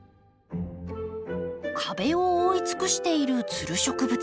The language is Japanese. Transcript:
壁を覆い尽くしているツル植物。